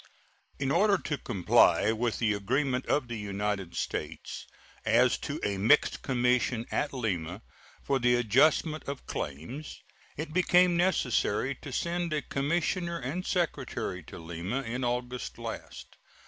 In order to comply with the agreement of the United States as to a mixed commission at Lima for the adjustment of claims, it became necessary to send a commissioner and secretary to Lima in August last.